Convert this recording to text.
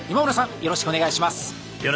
よろしくお願いします。